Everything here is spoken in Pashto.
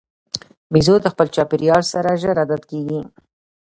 بیزو د خپل چاپېریال سره ژر عادت کېږي.